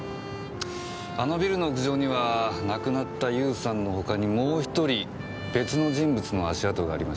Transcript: あのビルの屋上には亡くなった優さんの他にもう１人別の人物の足跡がありました。